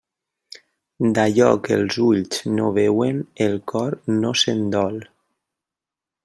D'allò que els ulls no veuen, el cor no se'n dol.